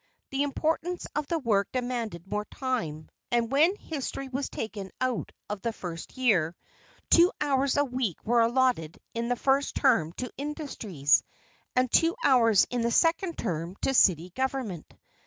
The importance of the work demanded more time, and when history was taken out of the first year, two hours a week were allotted in the first term to industries, and two hours in the second term to city government.